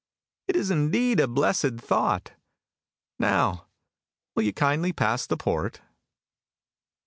It is indeed a blessèd thought! Now, will you kindly pass the port?